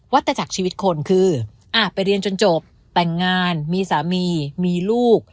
ตจักรชีวิตคนคือไปเรียนจนจบแต่งงานมีสามีมีลูก